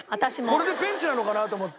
これでペンチなのかなと思って。